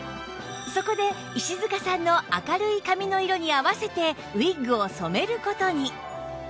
そこで石塚さんの明るい髪の色に合わせてウィッグを染める事に